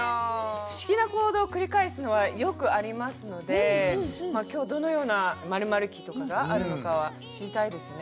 不思議な行動を繰り返すのはよくありますので今日どのような○○期とかがあるのかは知りたいですね